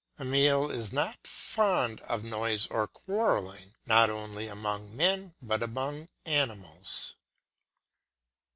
Emile is not fond of noise or quarrelling, not only among men, but among animals.